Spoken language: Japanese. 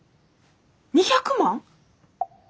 ２００万？